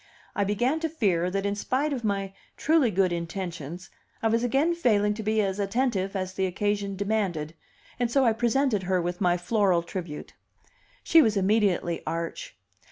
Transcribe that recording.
I began to fear that, in spite of my truly good intentions, I was again failing to be as "attentive" as the occasion demanded; and so I presented her with my floral tribute. She was immediately arch.